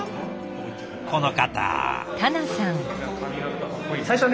この方。